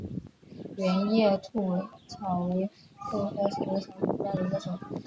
圆叶兔尾草为豆科兔尾草属下的一个种。